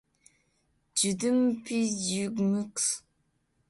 jdmpjdmx